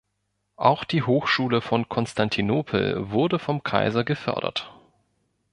Auch die Hochschule von Konstantinopel wurde vom Kaiser gefördert.